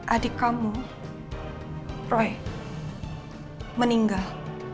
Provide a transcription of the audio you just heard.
adik kamu roy meninggal